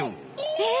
えっ？